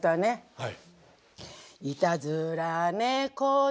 はい。